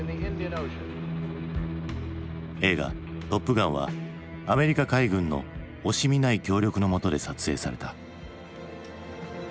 映画「トップガン」はアメリカ海軍の惜しみない協力のもとで撮影された。